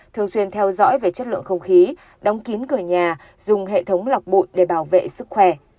thường xuyên theo dõi về chất lượng không khí đóng kín cửa nhà dùng hệ thống lọc bụi để bảo vệ sức khỏe